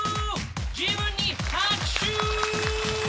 自分に拍手！